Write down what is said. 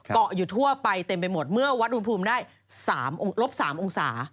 เกาะอยู่ทั่วไปเต็มไปหมดเมื่อวัดอุณหภูมิได้ลบ๓องศา